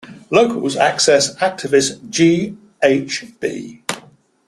Local access activist G. H. B.